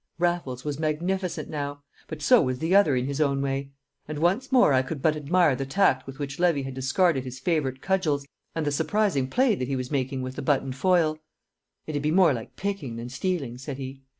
Raffles was magnificent now; but so was the other in his own way. And once more I could but admire the tact with which Levy had discarded his favourite cudgels, and the surprising play that he was making with the buttoned foil. "It'd be more picking than stealing," said he.